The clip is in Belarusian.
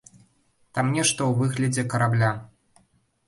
Там нешта ў выглядзе карабля.